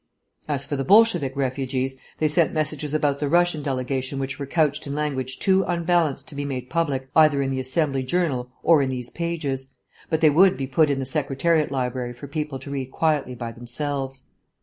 As for the Bolshevik refugees, they sent messages about the Russian delegation which were couched in language too unbalanced to be made public either in the Assembly Journal or in these pages, but they would be put in the Secretariat Library for people to read quietly by themselves.